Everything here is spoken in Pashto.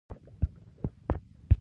لیکلړ